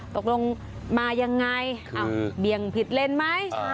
ตกลงมายังไงเบี่ยงผิดเลนไหม